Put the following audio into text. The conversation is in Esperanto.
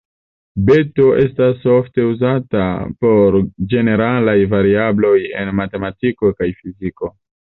Beto estas ofte uzata por ĝeneralaj variabloj en matematiko kaj fiziko.